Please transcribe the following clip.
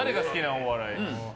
お笑い。